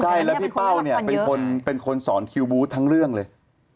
ใช่แล้วพี่เป้าเนี่ยเป็นคนสอนคิวบูธทั้งเรื่องเลย